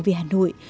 về hà nội